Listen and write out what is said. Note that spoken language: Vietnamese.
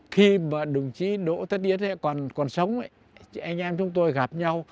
khi mà đồng chí đỗ tất yến còn sống anh em chúng tôi gặp nhau